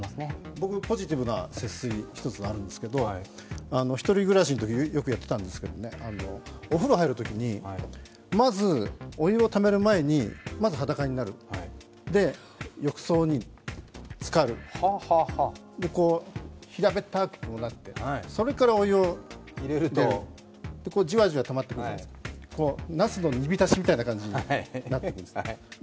僕、ポジティブな節水１つあるんですけど、１人暮らしのときよくやってたんですけどお風呂入るときに、まずお湯をためる前にまず裸になる、浴槽につかる、平べったくなって、それからお湯を入れるとじわじわたまってくるじゃないですか、なすの煮浸しみたいな感じになるんです。